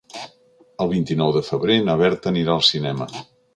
El vint-i-nou de febrer na Berta anirà al cinema.